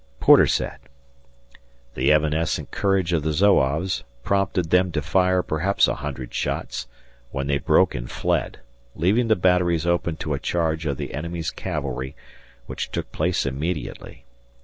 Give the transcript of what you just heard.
Porter said: The evanescent courage of the Zouaves prompted them to fire perhaps a hundred shots, when they broke and fled, leaving the batteries open to a charge of the enemy's cavalry, which took place immediately.